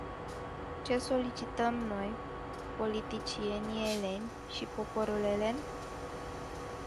Ce solicităm noi, politicienii eleni, și poporul elen?